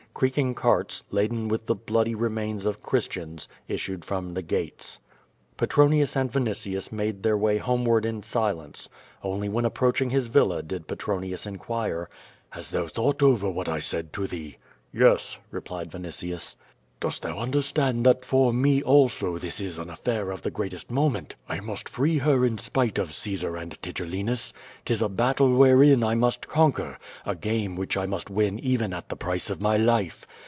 Creaking carts, laden with the bloody remains of Christians, issued from the gates. Petronius and Vinitius made their way homeward in si lence. Only when approaching his villa did Petronius in quire: "Has thou thought over what I said to thee?" "Yes," replied Vinitius. "Dost thou understand that for me also this is an affair of the greatest moment. I must free her in spite of Caesar and Tigellinus. 'Tis a battle wherein I must conquer; a game which I must w;^ even at the price of my life.